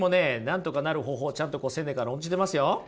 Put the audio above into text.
なんとかなる方法ちゃんとセネカ論じてますよ。